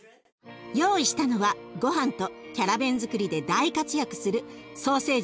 用意したのはごはんとキャラベンづくりで大活躍するソーセージとカニカマ。